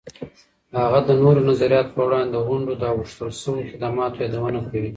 هغه د نورو نظریاتو په وړاندې د غونډو د اوښتل سویو خدماتو یادونه کوي.